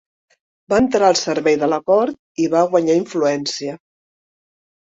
Va entrar al servei de la cort i va guanyar influència.